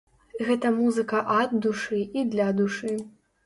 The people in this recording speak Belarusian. Гэта музыка ад душы і для душы.